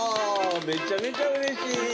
めちゃめちゃうれしい！